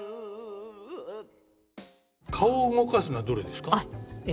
顔を動かすのはどれですか。